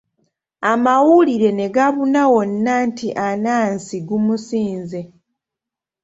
Amawulire ne gabuna wonna nti Anansi gumusinze.